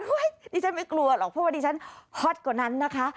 ดิฉันไม่กลัวหรอกเพราะว่าดิฉันฮอตกว่านั้นนะคะ